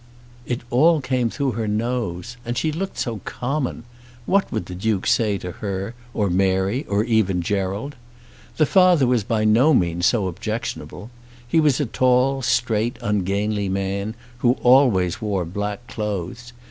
It all came through her nose! And she looked so common! What would the Duke say to her, or Mary, or even Gerald? The father was by no means so objectionable. He was a tall, straight, ungainly man, who always wore black clothes.